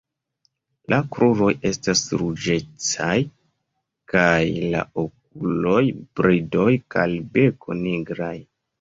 La kruroj estas ruĝecaj kaj la okuloj, bridoj kaj beko nigraj.